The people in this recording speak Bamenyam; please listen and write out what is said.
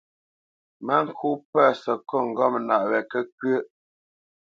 Mə ŋkô pə̂ səkôt ŋgɔ̂mnaʼ wɛ kə́kʉə́ʼ.